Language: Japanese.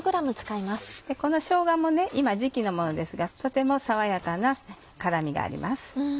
このしょうがも今時期のものですがとても爽やかな辛みがあります。